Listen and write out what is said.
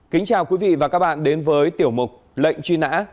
kính chào quý vị và các bạn đến với tiểu mục lệnh truy nã